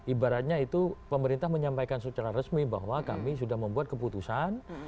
ibaratnya itu pemerintah menyampaikan secara resmi bahwa kami sudah membuat keputusan